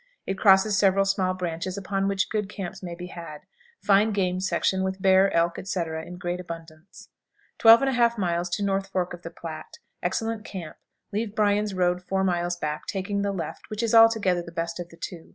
It crosses several small branches upon which good camps may be had. Fine game section, with bear, elk, etc., in great abundance. 12 1/2. North Fork of the Platte. Excellent camp. Leave Bryan's road four miles back, taking the left, which is altogether the best of the two.